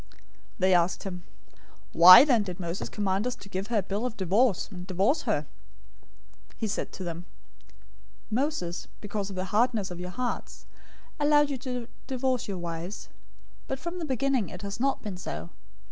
019:007 They asked him, "Why then did Moses command us to give her a bill of divorce, and divorce her?" 019:008 He said to them, "Moses, because of the hardness of your hearts, allowed you to divorce your wives, but from the beginning it has not been so.